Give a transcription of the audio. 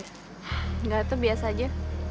enggak tuh biasa aja